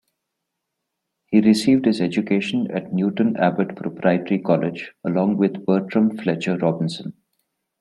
He received his education at Newton Abbot Proprietary College along with Bertram Fletcher Robinson.